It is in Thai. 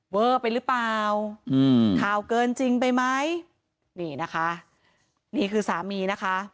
เวอร์ไปหรือเปล่าอืมข่าวเกินจริงไปไหมนี่นะคะนี่คือสามีนะคะ